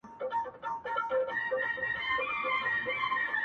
نجلۍ پر سر دي منګی مات سه-